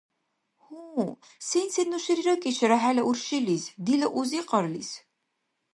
Гьу, сен-сен ну шери ракӀиша хӀела уршилис, дила узикьарлис?